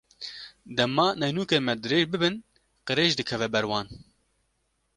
Dema neynûkên me dirêj bibin, qirêj dikeve ber wan.